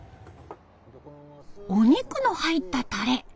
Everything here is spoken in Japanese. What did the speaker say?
お肉の入ったタレ。